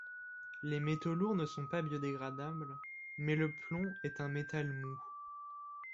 Les métaux lourds ne sont pas biodégradables, mais le plomb est un métal mou.